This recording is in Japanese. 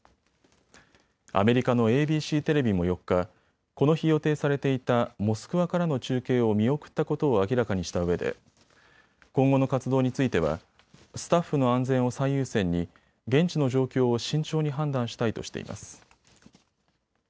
アメリカのＡＢＣテレビも４日、この日予定されていたモスクワからの中継を見送ったことを明らかにしたうえで今後の活動についてはスタッフの安全を最優先に現地の状況を慎重に判断したいとしています。